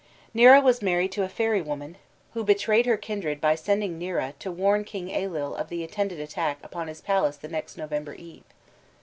Nera was married to a fairy woman, who betrayed her kindred by sending Nera to warn King Ailill of the intended attack upon his palace the next November Eve.